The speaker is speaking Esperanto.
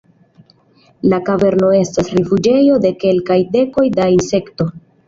La kaverno estas rifuĝejo de kelkaj dekoj da insekto.